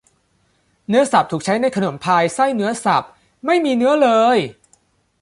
เนื้อสับถูกใช้ในขนมพายไส้เนื้อสับไม่มีเนื้อเลย